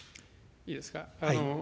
いいですか。